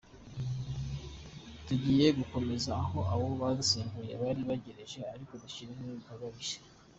tugiye gukomereza aho abo dusimbuye bari bagereje ariko dushyiraho n’ibikorwa bishya”.